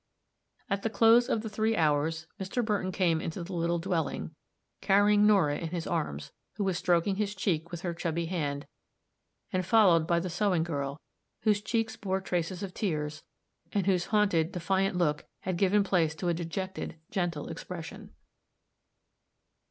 At the close of the three hours, Mr. Burton came into the little dwelling, carrying Norah in his arms, who was stroking his cheek with her chubby hand, and followed by the sewing girl, whose cheeks bore traces of tears, and whose hunted, defiant look had given place to a dejected, gentle expression.